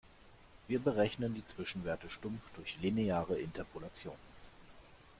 Wir berechnen die Zwischenwerte stumpf durch lineare Interpolation.